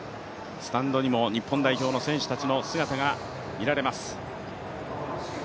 スタンドにも日本代表の選手たちの姿が見られます。